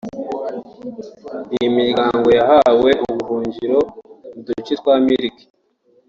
Iyi miryango yahawe ubuhungiro mu duce twa Miriki